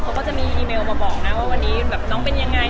เขาก็จะมีอีเมลมาบอกนะว่าวันนี้แบบน้องเป็นยังไง